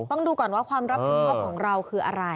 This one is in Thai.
ต้องดูก่อนว่าความรับผิดชอบของเราคืออะไร